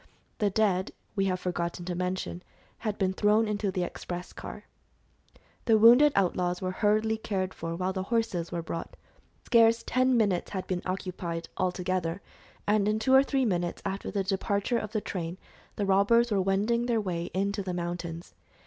The dead, we have forgotten to mention, had been thrown into the express car. The wounded outlaws were hurriedly cared for while the horses were brought. Scarce ten minutes had been occupied, all together, and in two or three minutes after the departure of the train the robbers were wending their way into the mountains.